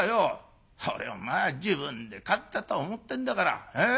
それをまあ自分で勝ったと思ってんだから。